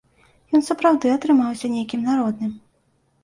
Ён сапраўды атрымаўся нейкім народным.